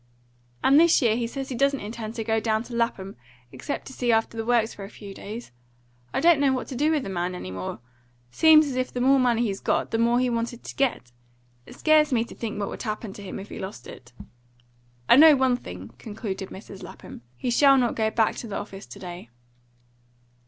And this year he says he doesn't intend to go down to Lapham, except to see after the works for a few days. I don't know what to do with the man any more! Seems as if the more money he got, the more he wanted to get. It scares me to think what would happen to him if he lost it. I know one thing," concluded Mrs. Lapham. "He shall not go back to the office to day."